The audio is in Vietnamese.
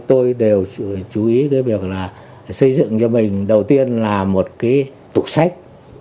tôi đều chú ý tới việc là xây dựng cho mình đầu tiên là một cái tủ sách